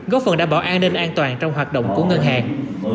góp phần đảm bảo an ninh an toàn trong hoạt động của ngân hàng